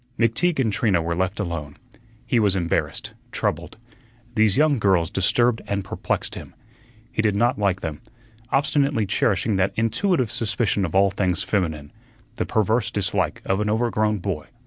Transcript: McTeague and Trina were left alone. He was embarrassed, troubled. These young girls disturbed and perplexed him. He did not like them, obstinately cherishing that intuitive suspicion of all things feminine the perverse dislike of an overgrown boy.